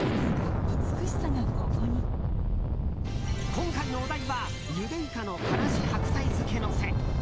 今回のお題はゆでイカの辛子白菜漬けのせ。